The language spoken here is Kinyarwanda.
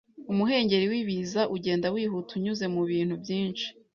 Umuhengeri wibiza ugenda wihuta unyuze mubintu byinshi